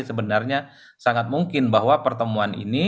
sebenarnya sangat mungkin bahwa pertemuan ini